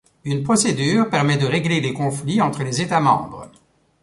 Une procédure permet de régler les conflits entre les États membres.